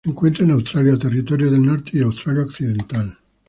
Se encuentra en Australia: Territorio del Norte y Australia Occidental.